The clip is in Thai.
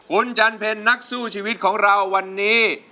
คุณจันเพ็ญนักสู้ชีวิตของเราวันนี้